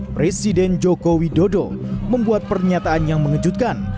presiden jokowi dodo membuat pernyataan yang mengejutkan